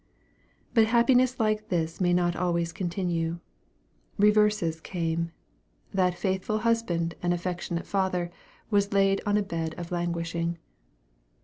But happiness like this may not always continue. Reverses came. That faithful husband and affectionate father was laid on a bed of languishing.